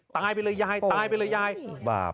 ตายไปเลยยายตายไปเลยยายบาป